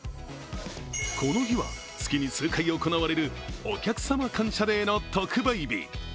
この日は月に数回行われるお客様感謝デーの特売日。